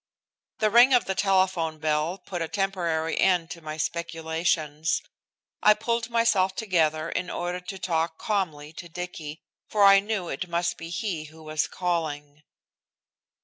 The ring of the telephone bell put a temporary end to my speculations. I pulled myself together in order to talk calmly to Dicky, for I knew it must be he who was calling.